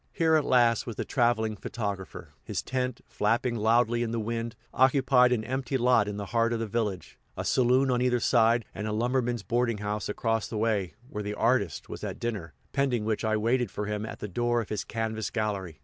Here at last was the traveling photographer. His tent, flapping loudly in the wind, occupied an empty lot in the heart of the village a saloon on either side, and a lumberman's boarding house across the way, where the "artist" was at dinner, pending which I waited for him at the door of his canvas gallery.